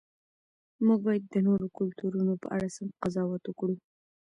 موږ باید د نورو کلتورونو په اړه سم قضاوت وکړو.